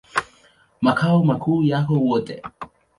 Makao makuu yako Wote.